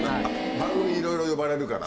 番組いろいろ呼ばれるから。